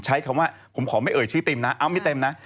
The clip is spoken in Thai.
ใช้คำว่าผมขอไม่เอ่ยชื่อติมนะเอ้าไม่เต็มนะ